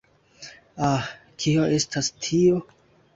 Ah, kio estas tio?